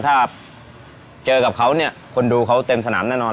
ถ้าเจอกับเขาเนี่ยคนดูเขาเต็มสนามแน่นอน